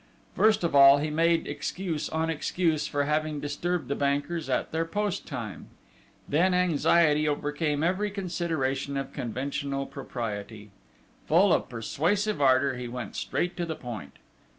First of all, he made excuse on excuse for having disturbed the bankers at their post time. Then anxiety overcame every consideration of conventional propriety. Full of persuasive ardour, he went straight to the point.